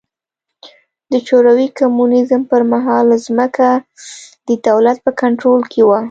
د شوروي کمونېزم پر مهال ځمکه د دولت په کنټرول کې وه.